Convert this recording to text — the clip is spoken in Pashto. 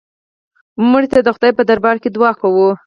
مړه ته د خدای په دربار کې دعا کوو